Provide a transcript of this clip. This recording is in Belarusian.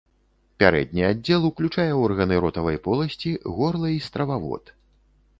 Пярэдні аддзел уключае органы ротавай поласці, горла і стрававод.